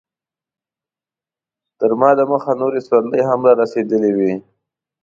تر ما دمخه نورې سورلۍ هم رارسېدلې وې.